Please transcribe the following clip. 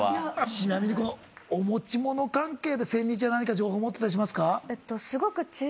ちなみにお持ち物関係で戦慄ちゃん何か情報持ってたりしますか？